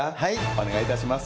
お願いいたします。